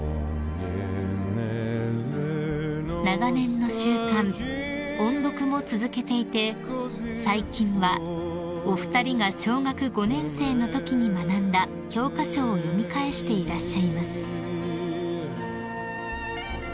［長年の習慣音読も続けていて最近はお二人が小学５年生のときに学んだ教科書を読み返していらっしゃいます］